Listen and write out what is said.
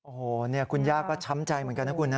โอ้โหคุณย่าก็ช้ำใจเหมือนกันนะคุณนะ